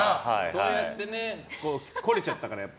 そうやって、懲りちゃったから。